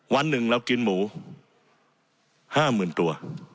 วันหนึ่งเรากินหมู่ห้าหมื่นตัว